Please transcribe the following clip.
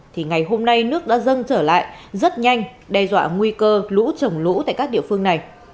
thì ngày hôm nay nước đã dâng trở lại rất nhanh đe dọa nguy cơ lũ trồng lũ tại các địa phương này